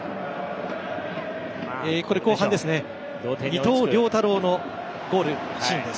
伊藤涼太郎のゴールシーンです。